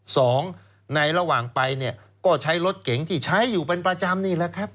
สองในระหว่างไปเนี่ยก็ใช้รถเก๋งที่ใช้อยู่เป็นประจำนี่แหละครับ